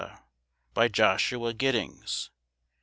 BY JOSHUA R. GIDDINGS.